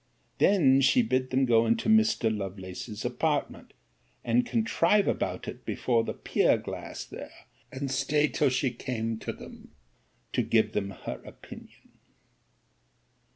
Then she bid them go into Mr. Lovelace's apartment, and contrive about it before the pier glass there, and stay till she came to them, to give them her opinion.